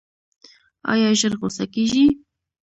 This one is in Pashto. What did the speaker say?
ایا ژر غوسه کیږئ؟